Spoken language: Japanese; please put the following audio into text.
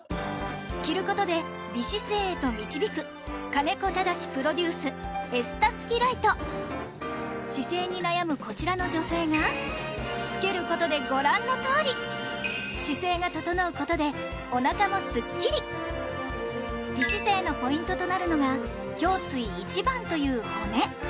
着ることで美姿勢へと導く姿勢に悩むこちらの女性が着けることでご覧の通り姿勢が整うことでお腹もスッキリ美姿勢のポイントとなるのが胸椎１番という骨